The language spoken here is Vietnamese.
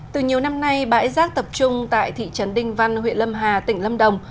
từ nhiều năm nay bãi rác tập trung tại thị trấn đinh văn huyện lâm hà tỉnh lâm đồng